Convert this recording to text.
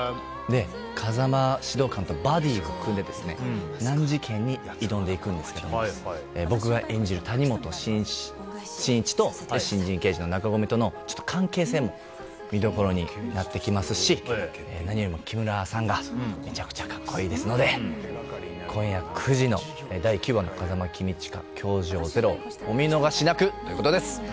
風間指導官とバディを組んで難事件に挑んでいくんですけど僕が演じる谷本進一と新人刑事の中込との関係性も見どころになってきますし何よりも木村さんがめちゃくちゃ格好いいですので今夜９時の第９話の「風間公親‐教場０‐」をお見逃しなくということです。